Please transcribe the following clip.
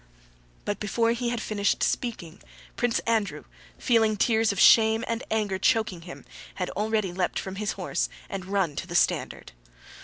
But before he had finished speaking, Prince Andrew, feeling tears of shame and anger choking him, had already leapt from his horse and run to the standard.